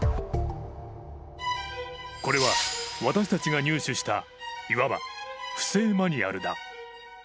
これは私たちが入手したいわば不正マニュアルだ。